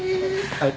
はい。